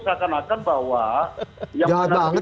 sakan akan bahwa jangan banget